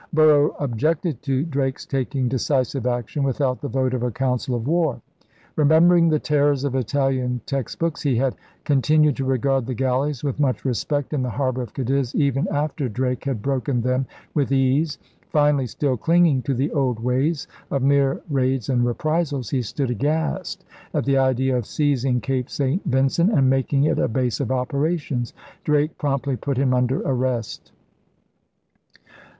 Borough objected to Drake's taking decisive action without the vote of a council of war. Remember ing the terrors of Italian textbooks, he had con tinued to regard the galleys with much respect in the harbor of Cadiz even after Drake had broken them with ease. Finally, still clinging to the old ways of mere raids and reprisals, he stood aghast at the idea of seizing Cape St. Vincent and making it a base of operations. Drake promptly put him under arrest.